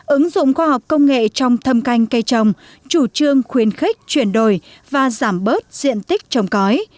ứng dụng khoa học công nghệ trong thâm canh cây trồng chủ trương khuyến khích chuyển đổi và giảm bớt diện tích trồng cõi